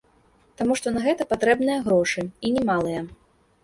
Таму што на гэта патрэбныя грошы, і немалыя.